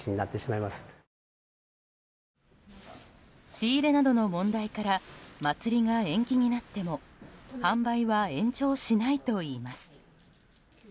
仕入れなどの問題から祭りが延期になっても販売は延長しないといいます。